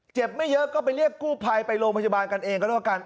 ไม่เยอะก็ไปเรียกกู้ภัยไปโรงพยาบาลกันเองก็แล้วกัน